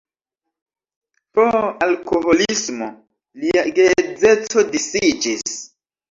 Pro alkoholismo lia geedzeco disiĝis.